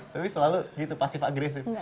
tapi selalu gitu pasif agresif